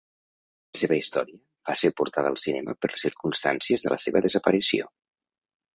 La seva història va ser portada al cinema per les circumstàncies de la seva desaparició.